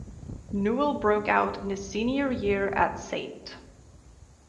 Newell broke out in his senior year at St.